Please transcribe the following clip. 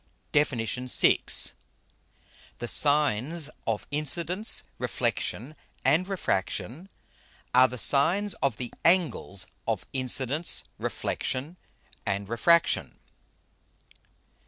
_ DEFIN. VI. _The Sines of Incidence, Reflexion, and Refraction, are the Sines of the Angles of Incidence, Reflexion, and Refraction.